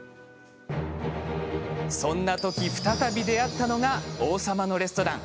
そんなとき、再び出会ったのが「王様のレストラン」。